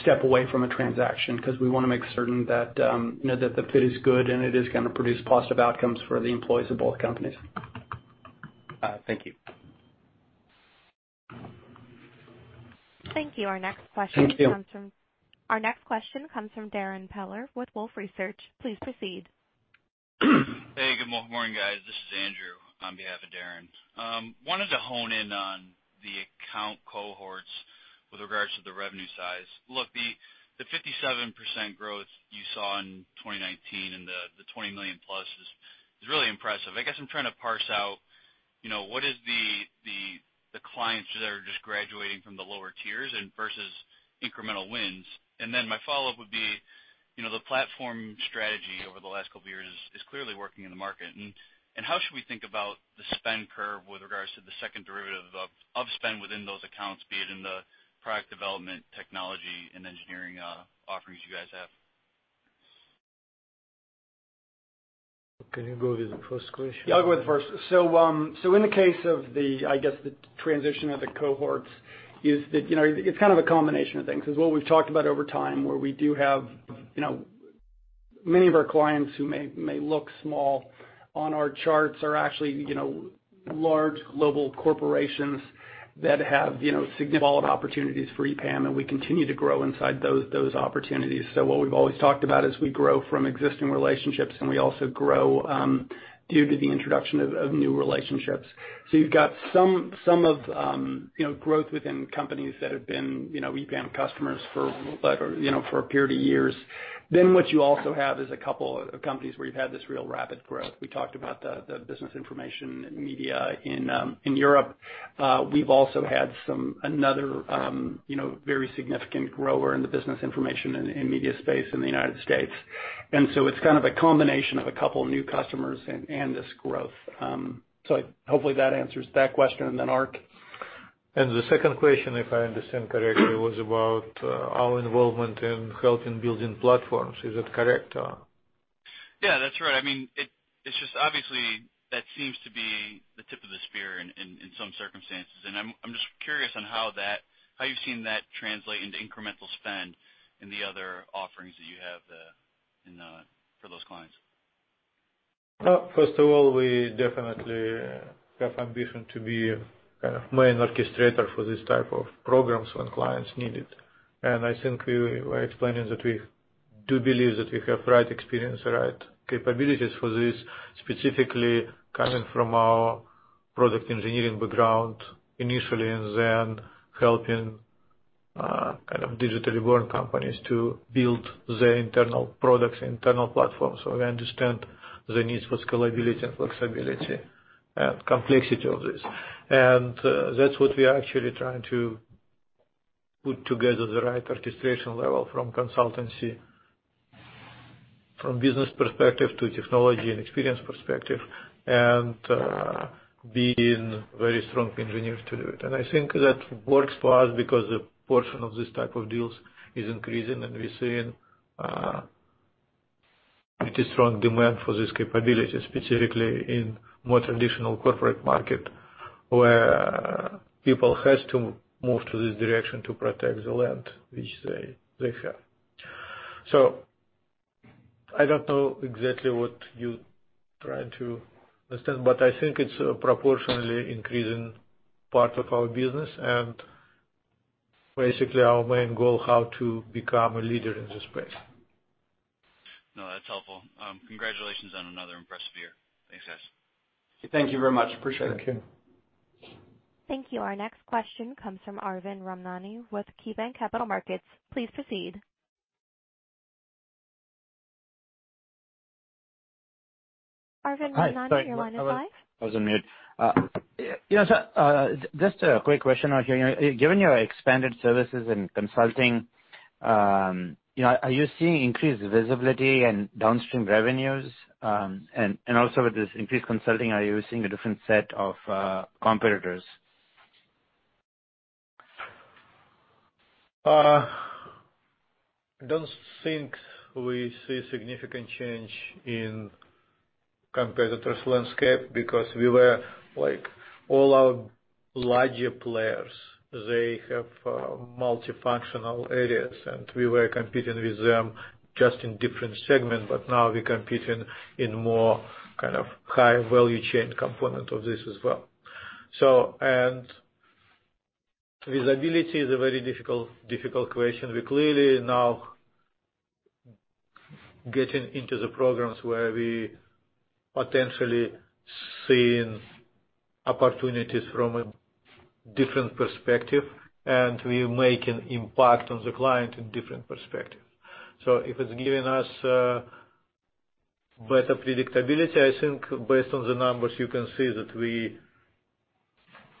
step away from a transaction because we want to make certain that the fit is good and it is going to produce positive outcomes for the employees of both companies. Thank you. Thank you. Thank you. Our next question comes from Darrin Peller with Wolfe Research. Please proceed. Hey, good morning, guys. This is Andrew on behalf of Darrin. Wanted to hone in on the account cohorts with regards to the revenue size. Look, the 57% growth you saw in 2019 and the $20 million plus is really impressive. I guess I'm trying to parse out what is the clients that are just graduating from the lower tiers and versus incremental wins. Then my follow-up would be, the platform strategy over the last couple of years is clearly working in the market. How should we think about the spend curve with regards to the second derivative of spend within those accounts, be it in the product development, technology, and engineering offerings you guys have? Can you go with the first question? Yeah, I'll go with the first. In the case of the, I guess, the transition of the cohorts is that it's kind of a combination of things, because what we've talked about over time, where we do have many of our clients who may look small on our charts are actually large global corporations that have significant opportunities for EPAM, and we continue to grow inside those opportunities. What we've always talked about is we grow from existing relationships, and we also grow due to the introduction of new relationships. You've got some of growth within companies that have been EPAM customers for a period of years. What you also have is a couple of companies where you've had this real rapid growth. We talked about the business information media in Europe. We've also had another very significant grower in the business information and media space in the U.S. It's kind of a combination of a couple new customers and this growth. Hopefully that answers that question. Ark? The second question, if I understand correctly, was about our involvement in helping building platforms. Is that correct? Yeah, that's right. It's just obviously that seems to be the tip of the spear in some circumstances, and I'm just curious on how you've seen that translate into incremental spend in the other offerings that you have for those clients. First of all, we definitely have ambition to be main orchestrator for this type of programs when clients need it. I think we were explaining that we do believe that we have right experience, the right capabilities for this, specifically coming from our product engineering background initially and then helping digitally born companies to build their internal products, internal platforms. We understand the needs for scalability and flexibility and complexity of this. That's what we are actually trying to put together the right orchestration level from consultancy, from business perspective to technology and experience perspective, and being very strong engineers to do it. I think that works for us because a portion of this type of deals is increasing, and we're seeing pretty strong demand for this capability, specifically in more traditional corporate market, where people have to move to this direction to protect the land, which they have. I don't know exactly what you're trying to understand, but I think it's a proportionally increasing part of our business and basically our main goal, how to become a leader in this space. No, that's helpful. Congratulations on another impressive year. Thanks, guys. Thank you very much. Appreciate it. Thank you. Thank you. Our next question comes from Arvind Ramnani with KeyBanc Capital Markets. Please proceed. Arvind Ramnani, your line is live. I was on mute. Just a quick question. Given your expanded services in consulting, are you seeing increased visibility and downstream revenues? Also with this increased consulting, are you seeing a different set of competitors? I don't think we see significant change in competitors' landscape because we were like all our larger players, they have multifunctional areas, and we were competing with them just in different segment, but now we're competing in more high value chain component of this as well. Visibility is a very difficult question. We're clearly now getting into the programs where we potentially seeing opportunities from a different perspective, and we make an impact on the client in different perspective. If it's giving us better predictability, I think based on the numbers, you can see that we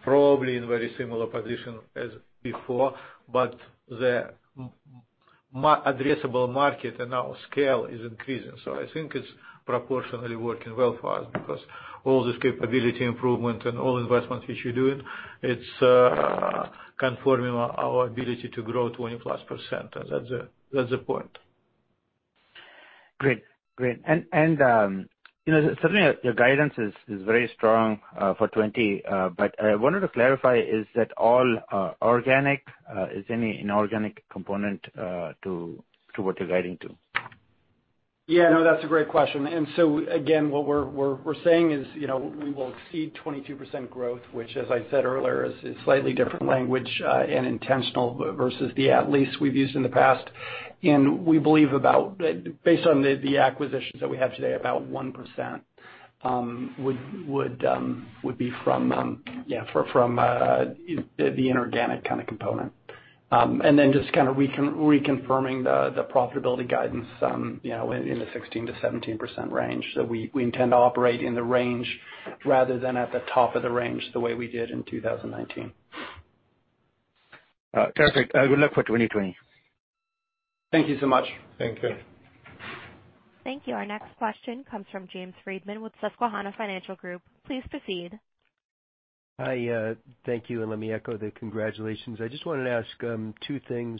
probably in very similar position as before, but the addressable market and our scale is increasing. I think it's proportionally working well for us because all this capability improvement and all investments which we're doing, it's confirming our ability to grow 20-plus%. That's the point. Great. Certainly your guidance is very strong for 2020. I wanted to clarify, is that all organic? Is any inorganic component to what you're guiding to? Yeah, no, that's a great question. Again, what we're saying is, we will exceed 22% growth, which as I said earlier, is slightly different language, and intentional versus the at least we've used in the past. We believe based on the acquisitions that we have today, about 1% would be from the inorganic component. Then just reconfirming the profitability guidance, in the 16%-17% range. We intend to operate in the range rather than at the top of the range the way we did in 2019. Perfect. Good luck for 2020. Thank you so much. Thank you. Thank you. Our next question comes from Jamie Friedman with Susquehanna Financial Group. Please proceed. Hi. Thank you, and let me echo the congratulations. I just wanted to ask two things.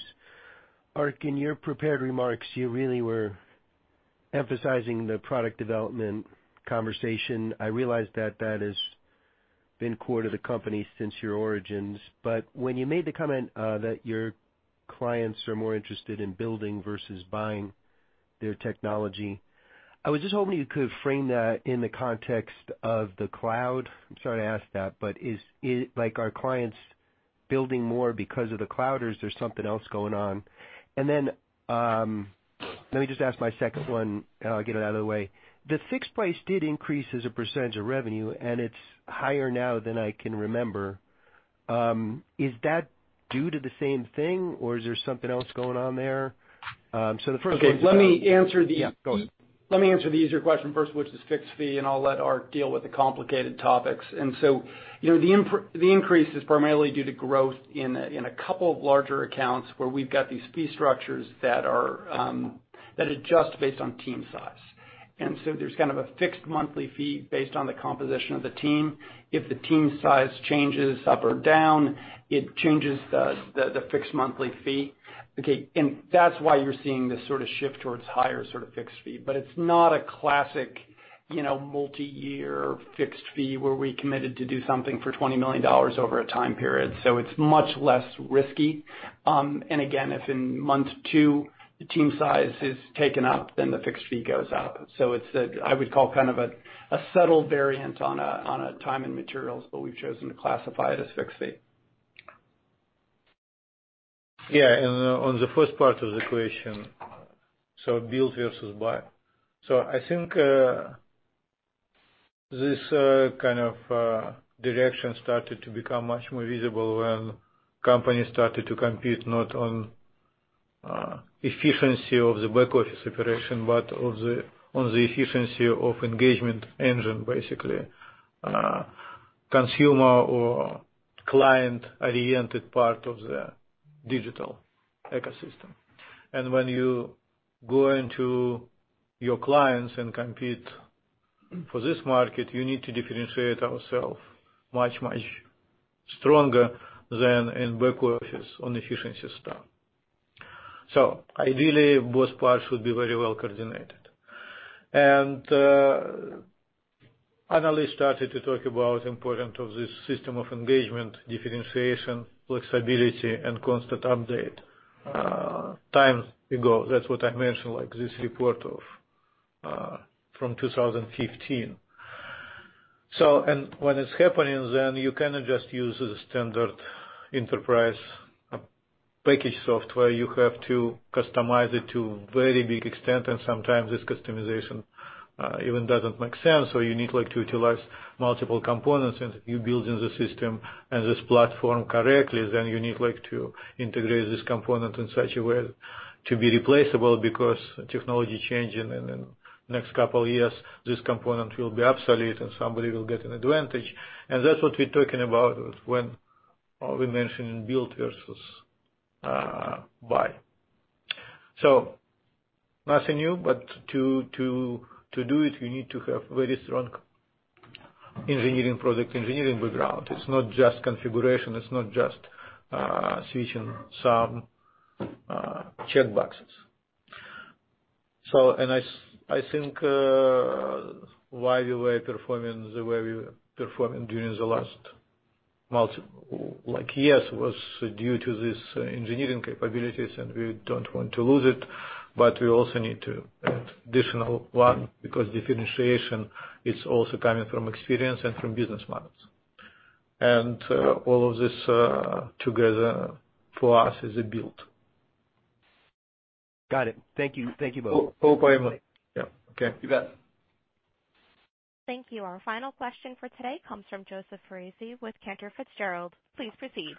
Ark, in your prepared remarks, you really were emphasizing the product development conversation. I realize that that has been core to the company since your origins, but when you made the comment that your clients are more interested in building versus buying their technology, I was just hoping you could frame that in the context of the cloud. I'm sorry to ask that, but are clients building more because of the cloud, or is there something else going on? Let me just ask my second one, and I'll get it out of the way. The fixed price did increase as a percentage of revenue, and it's higher now than I can remember. Is that due to the same thing, or is there something else going on there? Okay, let me answer. Yeah, go ahead. Let me answer the easier question first, which is fixed fee, and I'll let Ark deal with the complicated topics. The increase is primarily due to growth in a couple of larger accounts where we've got these fee structures that adjust based on team size. There's kind of a fixed monthly fee based on the composition of the team. If the team size changes up or down, it changes the fixed monthly fee. Okay, that's why you're seeing this sort of shift towards higher sort of fixed fee. It's not a classic multi-year fixed fee where we committed to do something for $20 million over a time period. It's much less risky. Again, if in month two the team size is taken up, then the fixed fee goes up. It's, I would call, kind of a subtle variant on a time and materials, but we've chosen to classify it as fixed fee. Yeah. On the first part of the question, build versus buy. I think this kind of direction started to become much more visible when companies started to compete not on efficiency of the back office operation, but on the efficiency of engagement engine, basically, consumer or client-oriented part of the digital ecosystem. When you go into your clients and compete for this market, you need to differentiate ourself much, much stronger than in back office on efficiency stuff. Ideally, both parts should be very well coordinated. Analyst started to talk about importance of this system of engagement, differentiation, flexibility, and constant update time ago. That's what I mentioned, like this report from 2015. When it's happening then, you cannot just use the standard enterprise package software. You have to customize it to a very big extent, sometimes this customization even doesn't make sense, or you need to utilize multiple components. If you're building the system and this platform correctly, you need to integrate this component in such a way to be replaceable because technology changing, in next couple years this component will be obsolete and somebody will get an advantage. That's what we're talking about when we mention build versus buy. Nothing new, but to do it, you need to have very strong engineering product, engineering background. It's not just configuration. It's not just switching some checkboxes. I think why we were performing the way we were performing during the last multiple years was due to this engineering capabilities, and we don't want to lose it. We also need to add additional one because differentiation is also coming from experience and from business models. All of this together, for us, is a build. Got it. Thank you. Thank you both. Hope I Yeah. Okay. You bet. Thank you. Our final question for today comes from Joseph Foresi with Cantor Fitzgerald. Please proceed.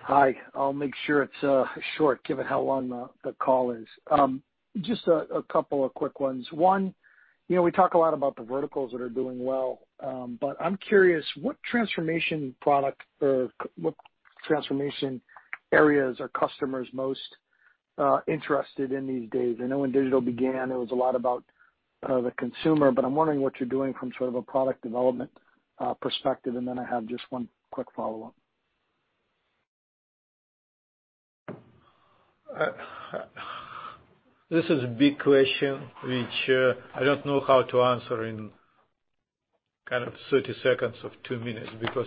Hi. I'll make sure it's short given how long the call is. Just a couple of quick ones. One, we talk a lot about the verticals that are doing well. I'm curious what transformation product or what transformation areas are customers most interested in these days? I know when digital began, it was a lot about the consumer. I'm wondering what you're doing from sort of a product development perspective. I have just one quick follow-up. This is a big question, which I don't know how to answer in kind of 30 seconds or two minutes, because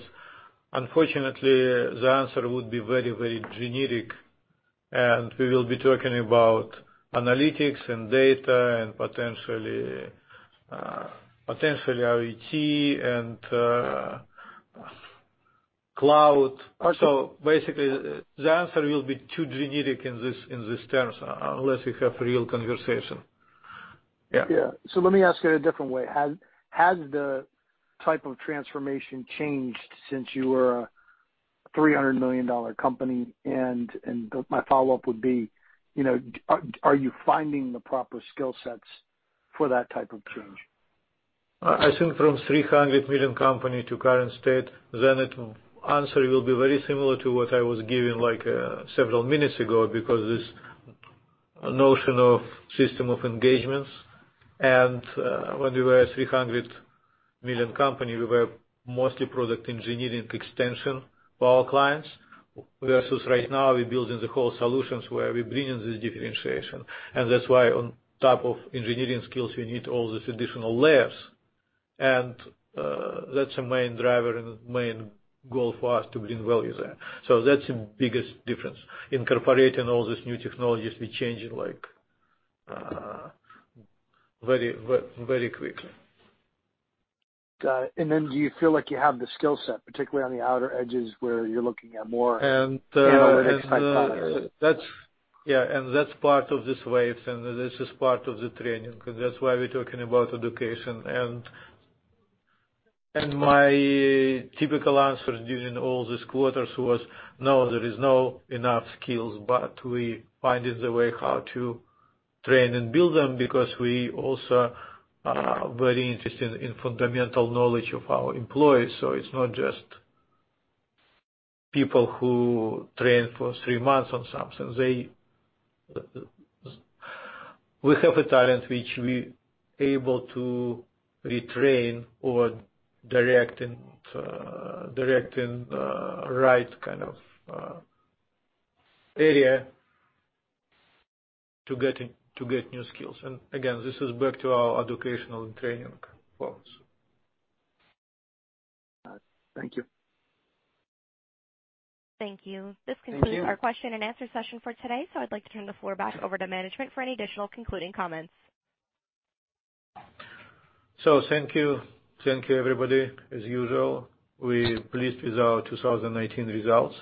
unfortunately, the answer would be very, very generic, and we will be talking about analytics and data and potentially IoT and cloud. Also- Basically, the answer will be too generic in these terms, unless you have real conversation. Yeah. Yeah. Let me ask it a different way. Has the type of transformation changed since you were a $300 million company? My follow-up would be, are you finding the proper skill sets for that type of change? I think from $300 million company to current state, then the answer will be very similar to what I was giving several minutes ago, because this notion of system of engagements. When we were a $300 million company, we were mostly product engineering extension for our clients, versus right now we're building the whole solutions where we bring in this differentiation. That's why on top of engineering skills, we need all these additional layers. That's the main driver and main goal for us to bring value there. That's the biggest difference. Incorporating all these new technologies, we changing very quickly. Got it. Do you feel like you have the skill set, particularly on the outer edges where you're looking at more analytics-type products? Yeah, and that's part of this wave, and this is part of the training. That's why we're talking about education. My typical answer during all these quarters was, no, there is not enough skills, but we finding the way how to train and build them because we also are very interested in fundamental knowledge of our employees. It's not just people who train for three months on something. We have a talent which we able to retrain or direct in right kind of area to get new skills. Again, this is back to our educational and training for us. Got it. Thank you. Thank you. Thank you. This concludes our question and answer session for today. I'd like to turn the floor back over to management for any additional concluding comments. Thank you. Thank you, everybody. As usual, we're pleased with our 2019 results.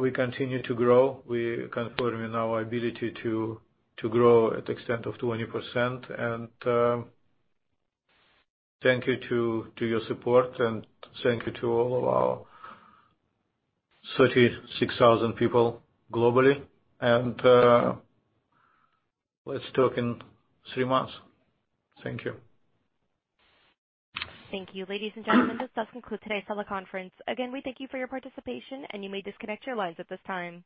We continue to grow. We confirm in our ability to grow at extent of 20%. Thank you to your support, and thank you to all of our 36,000 people globally. Let's talk in three months. Thank you. Thank you. Ladies and gentlemen, this does conclude today's teleconference. Again, we thank you for your participation, and you may disconnect your lines at this time.